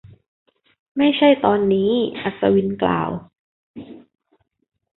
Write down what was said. ไม่ใช่ตอนนี้ อัศวินกล่าว